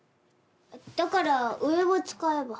だから上を使えば。